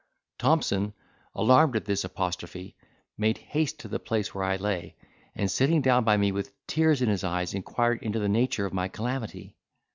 Thompson, alarmed at this apostrophe, made haste to the place where I lay, and sitting down by me, with tears in his eyes inquired into the nature of my calamity.